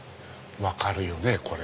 分かるよねこれ。